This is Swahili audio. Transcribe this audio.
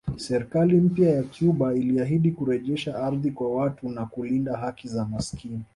Serikali mpya ya Cuba iliahidi kurejesha ardhi kwa watu na kulinda haki za maskini